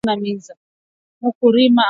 Muku rima amuna miza